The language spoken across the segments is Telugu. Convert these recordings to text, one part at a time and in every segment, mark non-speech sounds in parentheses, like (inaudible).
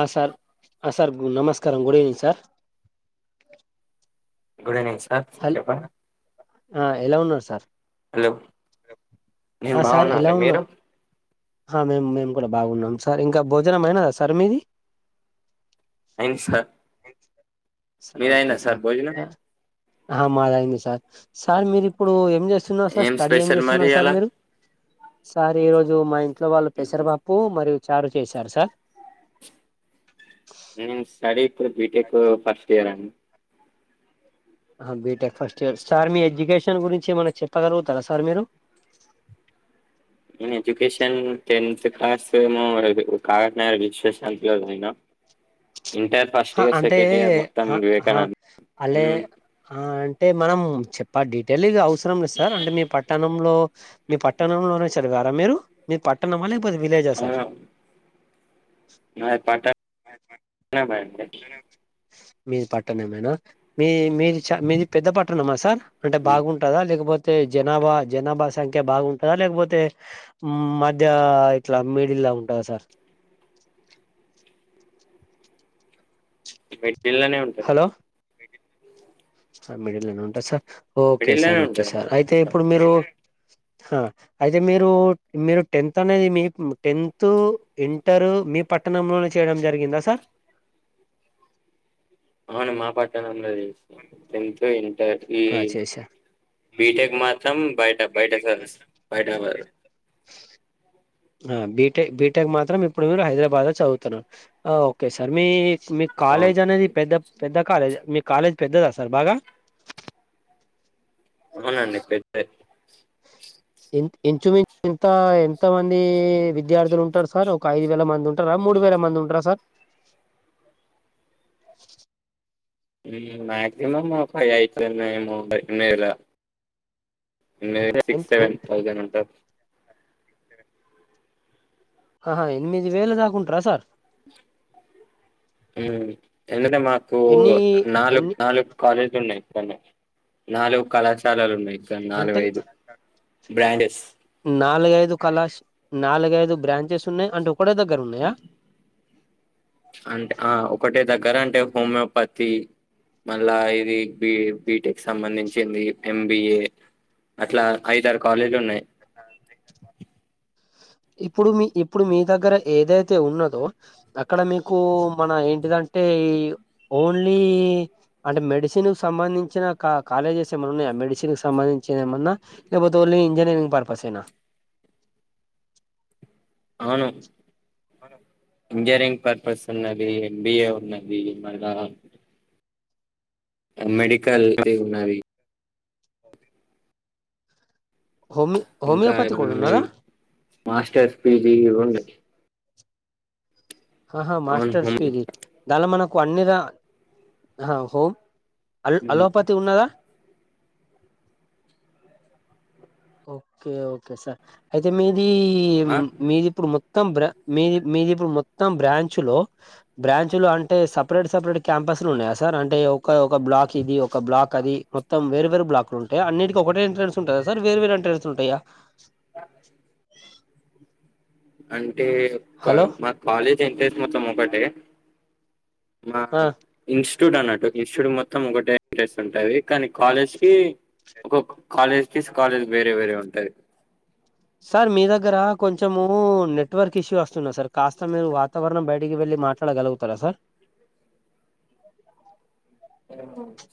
ఆ సార్ అ సార్ గు నమస్కారం good evening sir good evening sir హల్ చెప్పండి ఆ ఎలా ఉన్నారు సార్ హలో నేను ఆ సార్ ఎలా బాగున్నాండి మీరు ఉన్నారు హా మేం మేము గుడా బాగున్నాం సార్ ఇంకా భోజనం అయినదా సార్ మీది అయింది సార్ సా- ఓకే మీదైందా సార్ భోజనం ఆ మాదయింది సార్ సార్ మీరు ఇప్పుడు ఏం చేస్తున్నారు సార్ స్టడీ ఏం స్పెషల్ మరి చేస్తున్నారు సార్ అలా మీరు సార్ ఈ రోజు మా ఇంట్లో వాళ్ళు పెసరబప్పు మరియు చారు చేశారు సార్ నేన్ స్టడీ ఇప్పుడు బీటెకు ఫస్ట్ ఇయర్ అండి ఆహా బీటెక్ ఫస్ట్ ఇయర్ సార్ మీ ఎడ్యుకేషన్ గురించి ఏమన్నా చెప్పగలుగుతారా సార్ మీరు నేను ఎడ్యుకేషన్ టెన్త్ క్లాస్ ఏమో కాగట్న విశ్వశాంతి లో చదివిన ఇంటర్ ఫస్ట్ హా ఇయర్ అంటే సెకండ్ ఇయర్ మొత్తం హా హా వివేకానంద అళే ఉమ్, ఆ అంటే మనం చెప్పా డీటెయిల్ గా అవుస్ సరం లేదు సార్ అంటే మీ పట్టణంలో మీ పట్టణంలోనే చదివారా మీరు మీది పట్టణం మా లేకపోతే విలేజా సార్ నా పట మే అండి మీది పట్టణమేనా మీ మీది చ మీది పెద్ద పట్టణమా సార్ అంటే బాగుంటందా లేకపోతే జనాభా జనాభా సంఖ్ క్యా బాగుంటందా లేకపోతే మధ్య ఇట్లా మెడిల్లా ఉంటందా సార్ మిడిల్ లోనే ఉంటా సార్ మిడిల్ లోనే ఉంటా సార్ ఓకే మిడిల్లోనే సార్ ఓకే ఉంటది సార్ మాది అయితే ఇప్పుడు మీరు ఆ అయితే మీరు మీరు టెన్త్ అనేది మీ టెన్త్ ఇంటరు మీ పట్టణంలోనే చేయడం జరిగిందా సార్ అవును మా పట్టణంలో చేశానా టెంత్ ఇంటర్ ఈ ఆ చేశారు బీటెక్ మాత్రం బయట బయట విజేకు సర్వీస్ మాత్తం బయట బయటే వారు. బీటెక్ బీటెక్ మాత్రం ఇప్పుడు మీరు హైదరాబాద్ లో చదువుతున్నారు ఓకే సార్ మీ మీ అవును కాలేజ్ అనేది పెద్ద పెద్ద కాలేజ్ మీ కాలేజ్ పెద్దదా సార్ బాగా అవునండి పెద్దే ఇంచుమించు ఇంత ఎంత మంది విద్యార్థులు ఉంటారు సార్ ఒక ఐదు వేల మంది ఉం టారా మూడు వేల మంది ఉంటరా sir maximum (unintelligible) may be six a seven thousand ఉంటారు ఆహా ఎనిమిది వేలు దాకుంటార సార్ ఎంటంటే మాకు ఎన్ని నాలుగు ఎన్ని నాలుగు కాలేజ్లు ఉన్నాయి ఇక్కడ ఉన్నయ్ నాలుగు కళాశాలలు ఉన్నాయి ఇక్కడ అంటే నాలుగుఐదు బ్రాంచెస్ నాలుగైదు కళా నాలుగైదు బ్రాంచెస్ ఉన్నాయి అంటే ఒకడే దగ్గర ఉన్నాయా అంటే ఆ ఒకటే దగ్గర అంటే హోమియోపతి మళ్ళా ఇది బి బిటెక్ సంబంధించింది ఎంబిఏ అట్లా ఐదారు కాలేజీలు ఉన్నాయి ఇప్పుడు మీ ఇప్పుడు మీ దగ్గర ఏదైతే ఉన్నదో అక్కడ మీకు మన ఏంటిదంటే ఓన్లీ అంటే మెడిసిన్ కి సంబంధించిన కా కాలేజెస్ ఏమై ఉన్నాయా మెడిసిన్ కి సంబంధించిన ఏమన్నా లేక పోతే ఓన్లీ ఇంజనీరింగ్ పర్పస్ ఏనా అవును హలో ఇంజనీరింగ్ పర్పస్ ఉన్నది ఎంబిఏ ఉన్నది మళ మెడికల్ ది ఉన్నది హొమి ఇంకా హోమియోపతి కూడా ఏమన్నా ఉన్నద మాస్టర్స్ పిజి కూడా ఉన్నాయి ఆహా అవును మాస్టర్స్ ఉంది పీజీ దానిలో మనకు అన్నిరా హోమ్ అల్ అలోపతి ఉన్నదా ఓకే ఓకే సార్ అయితే మీది ఆ మీది ఇప్పుడు మ మొత్తం మీది మీది ఇప్పుడు మొత్తం బ్రాంచ్ లో బ్రాంచ్లు అంటే సపరేట్ సపరేట్ క్యాంపస్ లు ఉన్నాయా సార్ అంటే ఒక ఒక బ్లాక్ ఇది ఒక బ్లాక్ అది మొత్తం వేరు వేరు బ్లాక్లుంటాయా అన్నిటికి ఒకటే ఎంట్రన్స్ ఉంటాదా సార్ వేరే వేరే ఎంట్రన్స్ ఉంటాయా అంటే హలో (unintelligible) కాలేజ్ ఎంట్రెన్స్ మొత్తం ఒకటే మా ఆ ఇన్స్టిట్యూట్ అన్నట్టు ఇన్స్టిట్యూట్ మొత్తం ఒకటే ఎంట్రెన్స్ ఉంటాయి కానీ కాలేజ్ కి ఒక కాలేజ్ తీసి కాలేజ్ వేరే వేరే ఉంటాది సార్ మీ దగ్గర కొంచెము నెట్వర్క్ ఇష్యూ వస్తుంది సార్ కాస్త మీరు వాతావరణం బయటికి వెళ్ళి మా ట్లాడ కలుగుతారా సార్ ఇ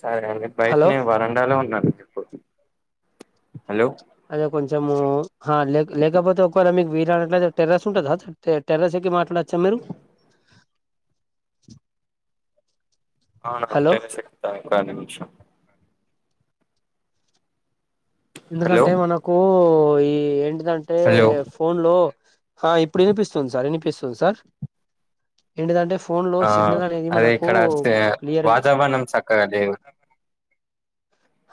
సరే అండి హలో బయటనే వరండాలో ఉన్నాను. నేను ఇప్పుడు హలో అదే కొంచెము లే లేకపోతే ఒకవేళ మీకు వీలు కనట్లయితే టెర్రస్ ఉంటంది. క టెర్రస్ ఎక్కి మాట్లాడచ్చా మీరు అవును హలో టెర్రస్ ఎక్కుత ఒక్క నిమిషం హలో ఎందుకంటే మనకు ఈ ఏంటదంటే హలో ఫోన్లో ఇప్పుడు వినిపిస్తుంది. సార్ వినిపిస్తుంది. సార్ ఏంటదంటే ఫోన్ లో ఆ సిగ్నల్ అనేది అదే మనకు ఇక్కడ సే క్లియర్గా వాతావరణం చక్కగా లేదు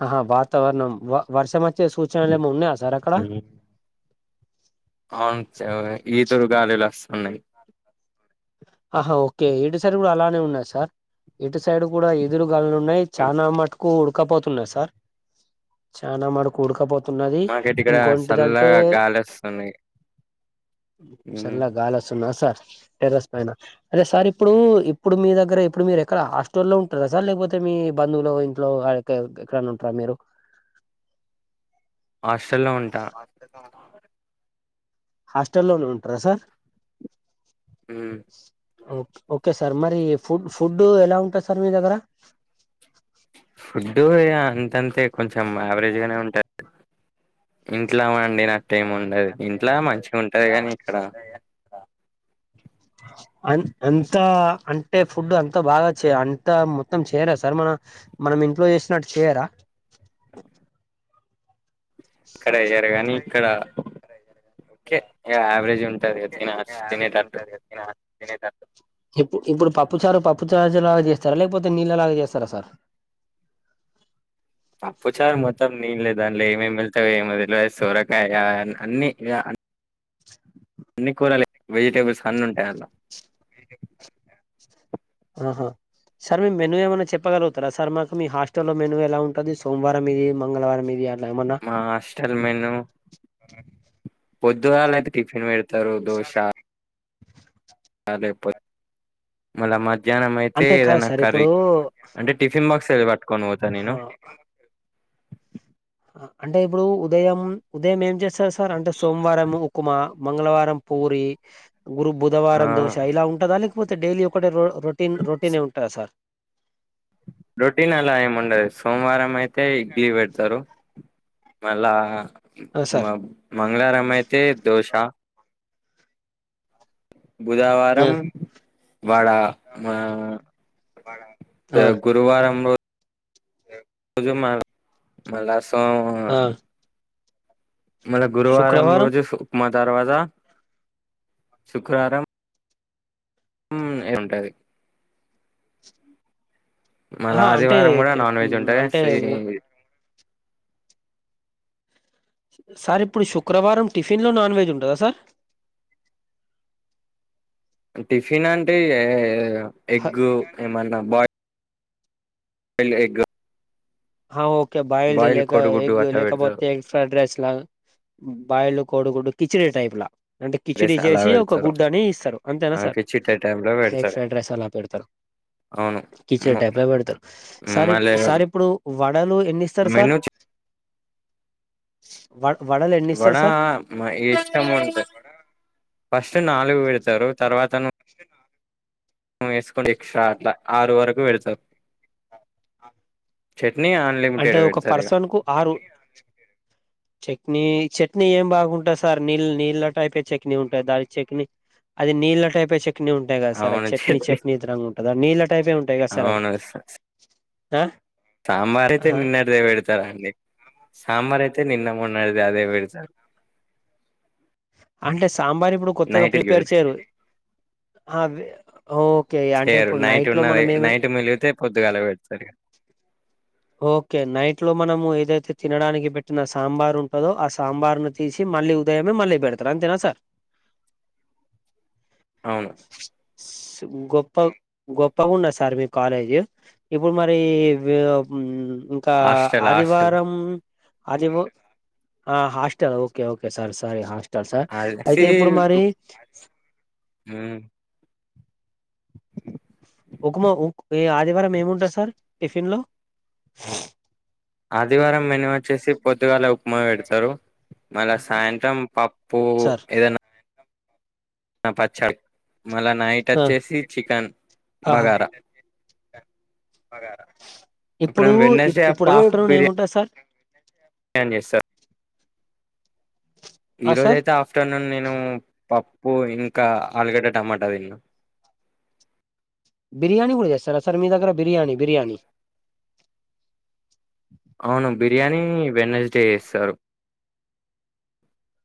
ఆహా వాతావరణం వర్షం వచ్చే సూచనలు ఏమో ఉన్నాయా సార్ అక్కడ అవును ఈదురు గాలులు వస్తున్నాయి ఆహా ఓకే ఇటు సైడ్ కూడా అలానే ఉన్నాయి. సార్ ఇటు సైడ్ కూడా ఇదురు గాలులు ఉన్నాయి. చాలా మట్ ఉడకపోతున్నాది సార్ చనా మడుక కూడకపోతున్నది మాకైతే ఇక్కడ ఇంకొంటిదంటే చల్లగా గాలి వస్తుంది మ్మ్ చల్ల గాలీ వస్తున్నది సార్ టెర్రస్ పైన అదే సార్ ఇప్పుడు ఇప్పుడు మీ దగ్గర ఇప్పుడు మీరు ఎక్కడ హాస్టల్లో ఉంటార సార్ లేకపోతే మీ బంధువులు ఇంట్లో ఎక్కడన్నా ఉంటారా మీరు హాస్టల్లో ఉంటా హాస్టలోనే ఉంటారా సార్ హ్ హ ఓకే ఓకే సార్ మరి ఫుడ్ ఫుడ్ ఎలా ఉంటుంది. సార్ మీ దగ్గర ఫుడ్డు అంతంతే కొంచెం యావరేజ్ గానే ఉంటంది ఇంట్లో అండి అట్లెం ఉండదు ఇంట్లో మంచిగా ఉంటది కాని ఇక్కడ అ అంతా అంటే ఫుడ్ అంత బాగా చే అంతా మొత్తం చేయరా సార్ మన మనం ఇంట్లో చేసినట్టు చేయరా ఇక్కడ అయ్యారూ గానీ ఇక్కడ ఓకే యావరేజ్ ఉంటది. తిన తినేటట్టు ఇగా తినేటట్టు ఇప్పుడు ఇప్పుడు పప్పు చారు పప్పు చారు లాగా చేస్తారా లేకపోతే నీళ్ళలాగా చేస్తారా సార్ పప్పు చారు మొత్తం నీళ్ళే దాంట్ల ఏమేమి పెడతారో ఏమో సోరకాయ అన్ని అన్ని కూరాల వెజిటేబుల్స్ అన్ని ఉంటాయి. అలా ఆహా సార్ మీ మెన్యూ ఏమైన్నా చెప్పగలుగుతారా సార్ మాకు మీ హాస్టల్లో మెన్యూ ఎలా ఉంటుంది. సోమవారం ఇది మంగళవారం ఇది ఏమన్నా ఆ హాస్టల్ మెను పొద్దుగాళ్ళ అయితే టిఫిన్ పెడతారు. దోశ లేకపోతే మళ్ళా మధ్యాహ్నం అయితే అంటే కాదు ఏదైనా సార్ ఇప్పుడు కర్రీ అంటే టిఫిన్ బాక్స్ పట్కోని పోతా ఆ, నేను అంటే ఇప్పుడు ఉదయం ఉదయం ఏం చేస్తారు. సార్ అంటే సోమవారం ఉకుమా మంగళవారం పూరి గురు ఆ బుధవారం దోశ ఇలా ఉంటుందా లేకపోతే డైలీ ఒకటే రో రొట్టె టిఫిన్ రొట్టనే ఉంటాదా సార్ రొటీన్ అలా ఏముండదు సోమవారం అయితే ఇడ్లీ పెడతారు మల్లా ఆ సార్ మ మంగళారం అయితే దోశా బుధవారం ఆ అయితే వడా ఇగ గురు గురువారం ఎ మల్ల సో ఆ మన గురువారం శుక్రవారం రోజు ఉప్మా తర్వాత శుక్రవారం ఊమ్ ఏముంటది మళ్ళ ఆహా అంటే ఆదివారం కూడా ట- నాన్ వెజ్ ఉంటాయి అంటే సేమ్ సార్ ఇప్పుడు శుక్రవారం టిఫిన్ లో నాన్ వెజ్ ఉంటుందా సార్ టిఫిన్ అంటే ఎ ఎగ్ ఏమన్నా బా ఎగ్ హ ఓకే బాయల్డ్ బాయిల్ లేక కోడిగుడ్డు ఎగ్ అట్లా పెడతారు లేఖపోతే ఫ్రైడ్ రైస్ లాగా బాయిల్డ్ కోడిగుడ్డు కిచిడి టైప్ లా అంటే కిచిడి రైస్ అలా చేసి ఒక పెడతారు గుడ్డు అని ఇస్తారు అంతేనా సార్ కిచిట టైమ్ లో హేగ్ పెడతారు ఫ్రైడ్ రైస్ అలా పెడుతారు అవును కిచిడి టైప్లా పెడతారు సార్ ఇ మళ్ళీ సార్ ఇప్పుడు వడలు ఎన్ని ఇస్తారు సార్ మెను వడ వడలే వడ మఇష్టం ఉంటే ఫస్ట్ నాలుగు పెడతారు తర్వాత అప్సెటా వేసుకో ఎస్ట్రా అట్లా ఆరు వరకు పెడతారు చట్నీ అ అంటే ఒక పర్సన్ కు ఆరు చట్నీ చట్నీ ఏం బాగుంటా సార్ నీళ్ళ నీళ్ళ టైపే చట్నీ ఉంటాది దాని చట్నీ అది నీళ్ళ టైపే చట్ని ఉం ఉంటాయి కదా సార్ చట్నీ చట్నీ తరంగా ఉంటుందా నీళ్ళ టైపే ఉంటాయి కదా సార్ అది అవును ఆ సాంబార్ అయితే ఆహా నిన్నటిదే పెడతార్ అండి సాంబార్ అయితే నిన్న మొన్నడ్ది అదే పెడతారు అంటే సాంబార్ ఇప్పుడు కొత్తగా నైట్ కి ప్రిపేర్ పెడు చేయరు అవె ఓకే అంటే చేయరు ఇప్పుడు నైట్ లో ఉన్నది మనం ఏమి నైట్ మిలిగితే పొద్దుగాల పెడతారు ఇగ ఓకే నైట్ లో మనము ఏదైతే తినడానికి పెట్టిన సాంబార్ ఉంటదో ఆ సాంబార్ను తీసి మళ్ళీ ఉదయమే మళ్ళీ పెడతారు అంతేనా సార్ అవును గొప్ప గొప్పగా ఉన్నది సార్ మీ కాలేజ్ ఇప్పుడు మరి వియ్ ఉ ఇంకా హాస్టల్ హాస్టల్ ఆదివారం అది ఒ హాస్టెల్ ఓకే ఓకే స సారీ హాస్టల్ ట సార్ అసి అయితే ఇప్పుడు మరి ఉ ఉకుమ ఉక్ ఈ ఆదివారం ఏముంటుంది సార్ టిఫిన్లో ఆదివారం మెను వచ్చేసి పొద్దుగాల ఉప్మాపెడతారు మళ్ళ సాయంత్రం పప్పు సార్ ఏదన్న నా పచ్చడి మళ్ళా నైట్ ఆ! వచ్చేసి చికెన్ బగారా బాగారా ఇప్పుడు ఇప్పుడు ఆఫ్టర్నూన్ ఏముంటది సార్ ఏం చేస్తారు ఆ సార్ ఈరోజయితే ఆఫ ఫ్టర్నూన్ నేను పప్పు ఇంకా ఆలుగడ్డ టమాటా తిన్న బిర్యానీ కూడా చేస్తారా సార్ మీ దగ్గర బిర్యానీ బిర్యానీ అవును బిర్యానీ వెన్నస్డే చేస్తారు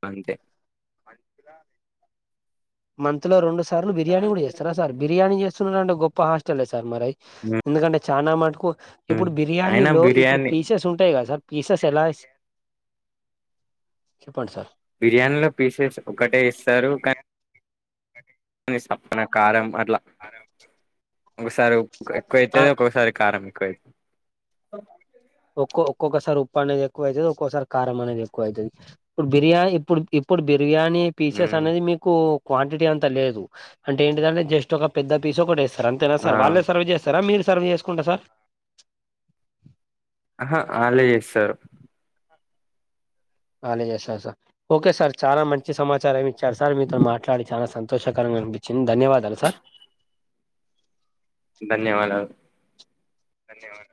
అంతే మంత్ లో రెండు సార్లు బిర్యానీ కూడా చేస్తారా సార్ బిర్యానీ చేస్తున్న రంటే గొప్ప హాస్టలే సార్ మరి ఉ ఎందుకంటే చనా మటుకు ఇప్పుడు అయినా బిర్యానీలో ఇప్పుడు బిర్యానీ పీసెస్ ఉంటయి కదా సార్. పీసెస్ ఎలా చెప్పండి సార్. బిర్యానీలో పీసెస్ ఒకటే ఇస్తరు క నీ సప్పనా కారం అట్లా. కారం ఒక్కసారి ఉప్పు ఎక్కువైతది, ఒక్కొక్కసారి కారం ఎక్కువై ఒక్కో ఒక్కొక్కసారి ఉప్పు అనేది ఎక్కువ అయితది, ఒక్కోసారి కారం అనేది ఎక్కువ అయితది. ఇప్పుడు బిర్యానీ ఇప్పుడు ఇప్పుడు బిర్యానీ పీసెస్ ఉమ్ అనేది మీకు క్వాంటిటీ అంత లేదు అంటే ఏంటిదంటే జస్ట్ ఒక పెద్ద పీస్ ఒకటి ఏస్ సార్ అంతేనా ఆ సార్ వాళ్ళే సర్వ్ చేస్తారా మీరు సర్వ్ చేసుకుంటరా సార్. ఆహా ఆళ్ళే చేస్తరు. ఆల్లే చేస్తరు సార్ ఓకే సార్ చానా మంచి సమాచారం ఇచ్చారు సార్ మీతోని మాట్లాడి చానా సం తోషకరంగా అనిపిచ్చింది ధన్యవాదాలు సార్. ధన్యవాదాలు. ధన్యవాదా